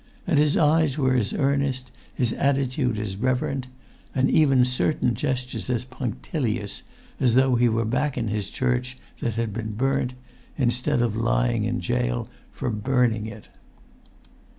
And his eyes were as earnest, his attitude as reverent, and even certain gestures as punctilious, as though he were back in his church that had been burnt, instead of lying in gaol for burning it.